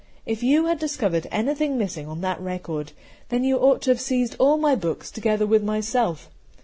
If you had discovered anything missing on that record, then you ought to have seized all my books together with myself.